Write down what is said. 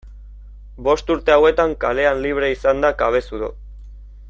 Bost urte hauetan kalean libre izan da Cabezudo.